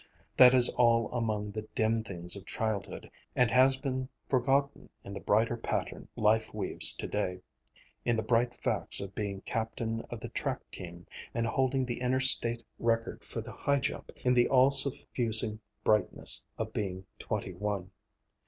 That is all among the dim things of childhood and has been forgotten in the brighter pattern life weaves to day, in the bright facts of being captain of the track team, and holding the interstate record for the high jump, in the all suffusing brightness of being twenty one.